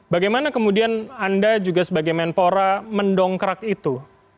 bagaimana kemudian anda juga sebagai menpora mendongkrak itu